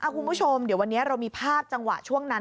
คุณผู้ชมเดี๋ยววันนี้เรามีภาพจังหวะช่วงนั้น